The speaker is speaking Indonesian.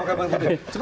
radar kan diikutin semua